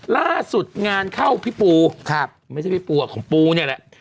ล่าสุดงานเข้าพี่ปูไม่ใช่พี่ปูของปูเนี่ยแหละ